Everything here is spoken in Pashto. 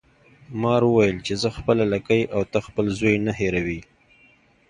مار وویل چې زه خپله لکۍ او ته خپل زوی نه هیروي.